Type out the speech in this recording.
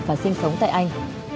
và sinh sống tại anh